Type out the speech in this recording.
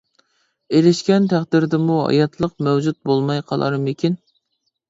ئېرىشكەن تەقدىردىمۇ ھاياتلىق مەۋجۇت بولماي قالارمىكىن.